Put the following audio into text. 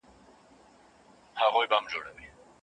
د مطالعې فرهنګ تر ټولو ارزښتمن فرهنګ ګڼل کېږي.